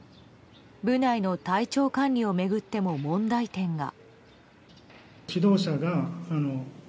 部内の体調管理を巡っても問題点が。